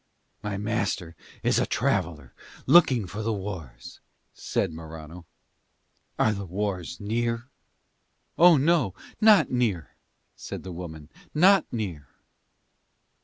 "My master is a traveller looking for the wars," said Morano. "Are the wars near?" "Oh, no, not near," said the woman; "not near."